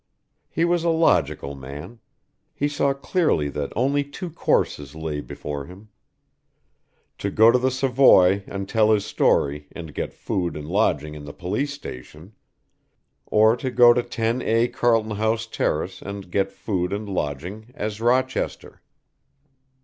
He was a logical man. He saw clearly that only two courses lay before him. To go to the Savoy and tell his story and get food and lodging in the Police Station, or to go to 10A, Carlton House Terrace and get food and lodging as Rochester.